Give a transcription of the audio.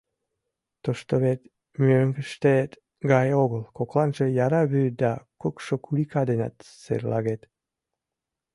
Тушто вет мӧҥгыштет гай огыл, кокланже яра вӱд да кукшо курика денат серлагет.